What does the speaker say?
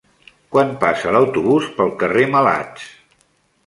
Quan passa l'autobús pel carrer Malats?